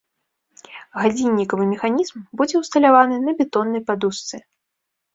Гадзіннікавы механізм будзе ўсталяваны на бетоннай падушцы.